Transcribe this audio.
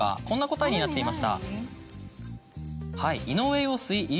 こんな答えになっていました。